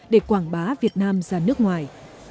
để quảng bá việt nam ra nước ngoài